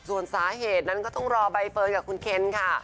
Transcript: ส่วนสาเหตุนั้นก็ต้องรอใบเฟิร์นกับคุณเคนค่ะ